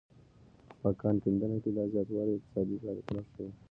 په کان کیندنه کې دا زیاتوالی اقتصادي فعالیتونه ښيي.